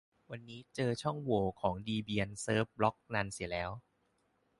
วันนี้เจอช่องโหว่ของดีเบียนเซิฟบล๊อกนันเสียแล้ว